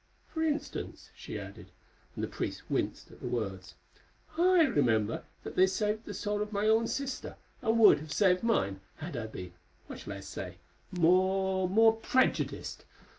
For instance," she added, and the priest winced at the words, "I remember that they saved the soul of my own sister and would have saved mine, had I been—what shall I say?—more—more prejudiced.